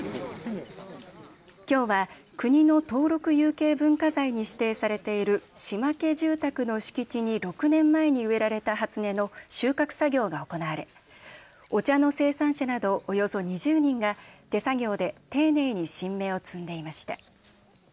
きょうは国の登録有形文化財に指定されている島家住宅の敷地に６年前に植えられた初音の収穫作業が行われお茶の生産者などおよそ２０人が手作業で丁寧に新芽を摘んでいました。